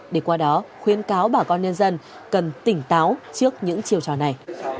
để qua đó khuyến cáo bà con nhân dân cần tỉnh táo trước những chiều trò này